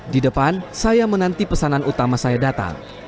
di depan saya menanti pesanan utama saya datang